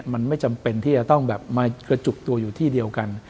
มันไม่จำเป็นที่จะต้องแบบมากระจุกตัวอยู่ที่เดียวกัน